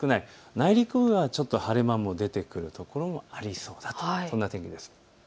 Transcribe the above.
内陸部はちょっと晴れ間も出てくる所もありそうだというそんな天気です。